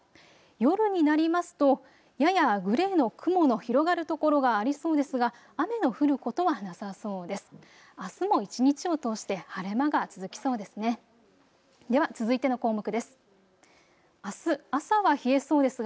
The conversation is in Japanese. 夜になりますとややグレーの雲の広がるところがありそうですが雨の降ることはなさそうです。